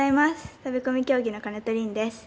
飛込競技の金戸凜です。